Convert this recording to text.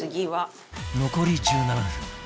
残り１７分